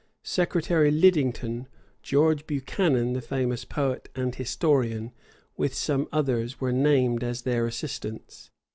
Secretary Lidington, George Buchanan, the famous poet and historian, with some others, were named as their assistants.